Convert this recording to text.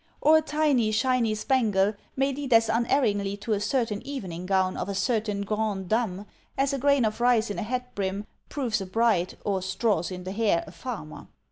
Or a tiny, shiny spangle may lead as unerringly to a certain evening gown of a certain grande dame, as a grain of rice in a hat brim proves a bride, or straws in the hair, a farmer.